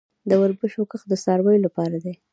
د وربشو کښت د څارویو لپاره دی